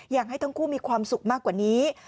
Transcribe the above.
อยากให้ทั้งคู่มีความสุขมากกว่านี้